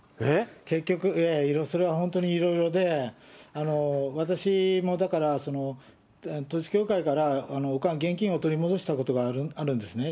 結局、それは本当にいろいろで、私もだから、統一教会から現金を取り戻したことがあるんですね。